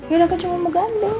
ya udah aku cuma mau gandeng